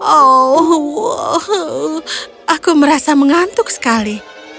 oh aku merasa mengantuk sekali